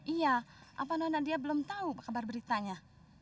iya apa namanya dia belum tahu kabar beritanya